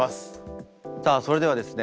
さあそれではですね